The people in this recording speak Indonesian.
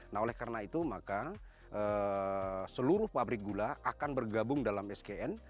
nah oleh karena itu maka seluruh pabrik gula akan bergabung dalam skn